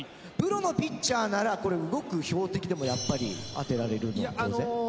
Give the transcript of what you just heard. プロのピッチャーならこれ動く標的でもやっぱり当てられるの当然？